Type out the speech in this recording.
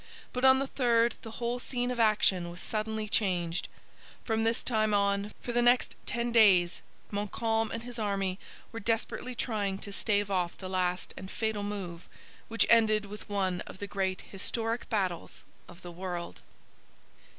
But on the third the whole scene of action was suddenly changed. From this time on, for the next ten days, Montcalm and his army were desperately trying to stave off the last and fatal move, which ended with one of the great historic battles of the world.